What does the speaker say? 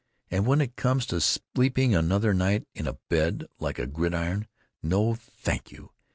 And when it comes to sleeping another night on a bed like a gridiron, no—thank—you!